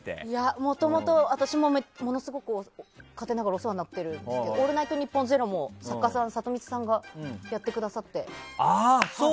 もともと私もものすごく勝手ながらお世話になってるんですけど「オールナイトニッポン」もサトミツさんがやってくださって。